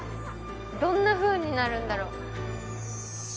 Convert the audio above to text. どんなふうになるんだろう？